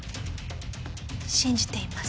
信じています。